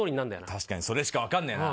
確かにそれしか分かんねえな。